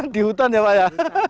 di hutan ya pak ya